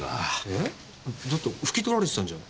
えっ？だって拭き取られてたんじゃ？